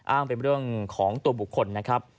อ้างเป็นเรื่องของตัวบุคคลนะครับ